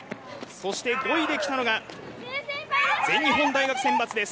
そして５位できたのが全日本大学選抜です。